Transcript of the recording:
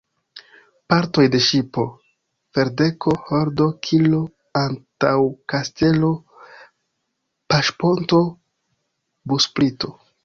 Partoj de ŝipo: ferdeko, holdo, kilo, antaŭkastelo, paŝponto, busprito.